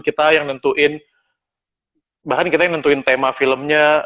kita yang nentuin bahkan kita yang nentuin tema filmnya